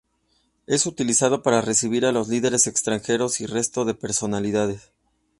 Es utilizada para recibir a los líderes extranjeros y resto de personalidades.